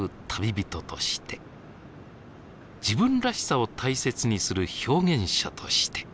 「自分らしさ」を大切にする表現者として。